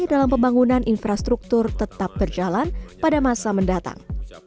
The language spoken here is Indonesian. dalam pembangunan infrastruktur tetap berjalan pada masa mendatang